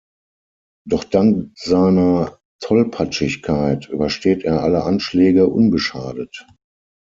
Doch dank seiner Tollpatschigkeit übersteht er alle Anschläge unbeschadet.